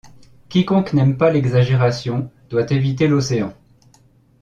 Quiconque n’aime pas l’exagération doit éviter l’océan.